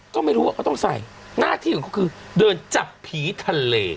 ก็ไม่รู้ว่าเขาต้องใส่หน้าที่ของเขาคือเดินจับผีทะเล